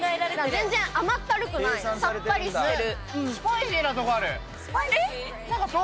全然甘ったるくない、さっぱりしてる。